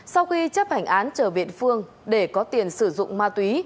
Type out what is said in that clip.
sau khi chấp hành án trở biện phương để có tiền sử dụng ma túy